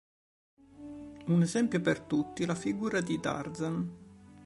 Un esempio per tutti, la figura di "Tarzan".